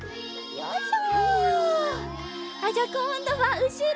よいしょ。